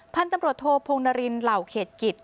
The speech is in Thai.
พันธุ์ตำรวจโทพงนรินเหล่าเขตกิจ